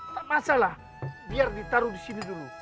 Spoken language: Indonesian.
tak masalah biar ditaruh di sini dulu